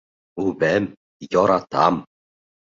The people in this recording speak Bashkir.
Үбәм, яратам.